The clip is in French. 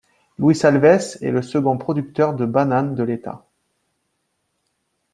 Luis Alves est le second producteur de bananes de l'État.